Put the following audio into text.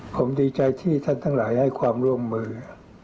ผมดีใจที่ท่านทั้งหลายให้ความร่วมมือ